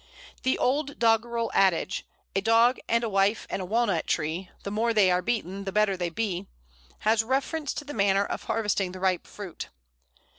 ] The old doggerel adage, "A dog and a wife and a walnut tree, the more they are beaten the better they be," has reference to the manner of harvesting the ripe fruit.